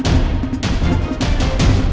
jangan jangan jangan jangan